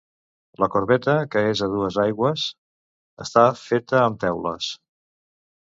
La corbeta que és a dues aigües està feta amb teules.